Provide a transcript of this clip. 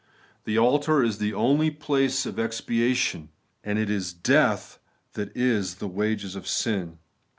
The altar is the only place of expiation \ and it is death that is the wages of sin.